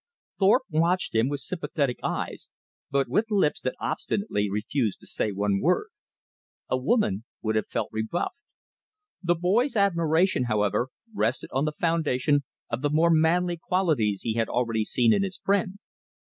Thorpe watched him with sympathetic eyes, but with lips that obstinately refused to say one word. A woman would have felt rebuffed. The boy's admiration, however, rested on the foundation of the more manly qualities he had already seen in his friend.